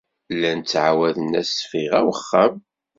Llan ttɛawaden-as ssbiɣa i wexxam.